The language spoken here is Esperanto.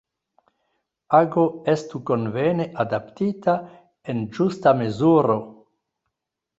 Ago estu konvene adaptita, en ĝusta mezuro.